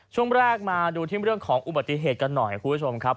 ช่วงแรกมาดูที่เรื่องของอุบัติเหตุกันหน่อยคุณผู้ชมครับ